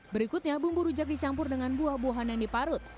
berikutnya bumbu rujak dicampur dengan buah buahan yang diparut